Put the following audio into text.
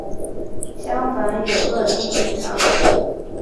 相逢有乐町演唱。